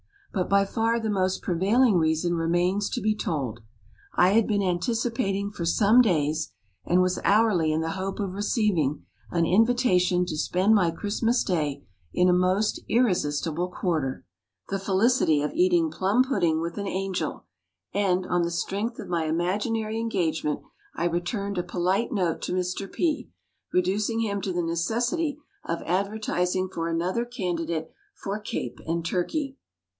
But by far the most prevailing reason remains to be told. I had been anticipating for some days, and was hourly in the hope of receiving, an invitation to spend my Christmas Day in a most irresistible quarter. I was expecting, indeed, the felicity of eating plum pudding with an angel; and, on the strength of my imaginary engagement, I returned a polite note to Mr. P., reducing him to the necessity of advertising for another candidate for Cape and turkey.